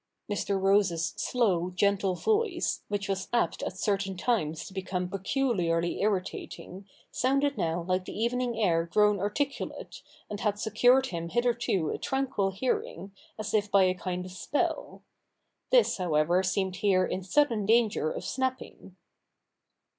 Mr. Rose's slow gentle voice, which was apt at certain times to become peculiarly irritating, sounded now like the evening air grown articulate, and had secured him hitherto a tranquil hearing, as if by a kind of spell. This however seemed here in sudden danger of snapping.